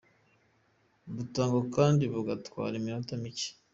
butangwa kandi bugatwara iminota mike.